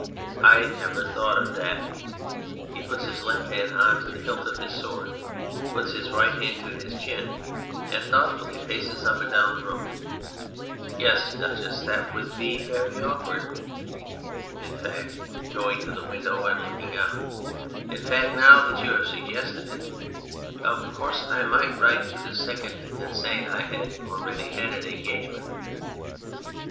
I never thought of that ! (He puts his left hand on to the hilt of his sword, puts his right hand to his chin, and thoughtfully paces up and down the room.} Yes, Duchess, that would be very awkward. In fact (going to the window and looking out) in fact, now that you have suggested it ,,. of course I might write to the second and 214 The Candour of Maturity say I already had an engagement ..